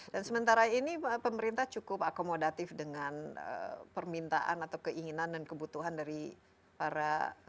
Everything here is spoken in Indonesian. dan sementara ini pemerintah cukup akomodatif dengan permintaan atau keinginan dan kebutuhan dari para industri